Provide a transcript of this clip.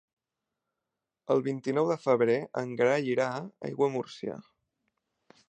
El vint-i-nou de febrer en Gerai irà a Aiguamúrcia.